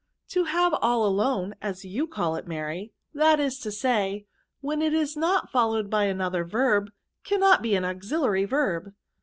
" To have all alone, as you call it, Mary, that is to say, when it is not followed by another verb, cannot be an auxiliary verb."